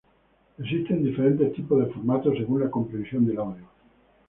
Existen diferentes tipos de formato según la compresión del audio.